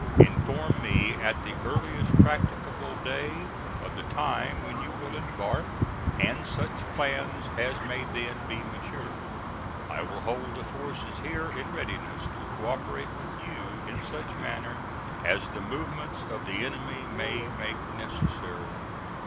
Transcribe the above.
Inform me at the earliest practicable day of the time when you will embark, and such plans as may then be matured. I will hold the forces here in readiness to co operate with you in such manner as the movements of the enemy may make necessary.